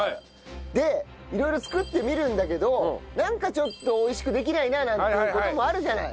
で色々作ってみるんだけどなんかちょっと美味しくできないななんていう事もあるじゃない。